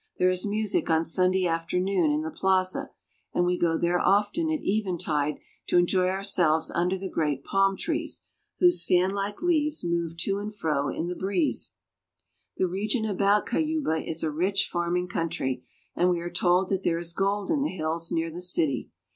There is music on Sunday afternoon in the plaza, and we go there often at eventide to enjoy ourselves under the great palnl trees, whose fanlike leaves move to and fro in the breeze. The region about Cuyaba is a rich farming country, and we are told that there is gold iif the hills near the city.